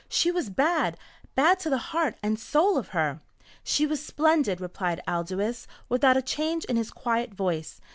"She was bad bad to the heart and soul of her!" "She was splendid," replied Aldous, without a change in his quiet voice.